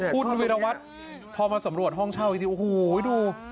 คุณวิรวัตรพอมาสำรวจห้องเช่าอีกทีโอ้โหดู